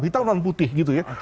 hitam lawan putih gitu ya